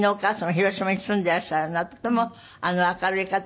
広島に住んでらっしゃるのはとても明るい方で。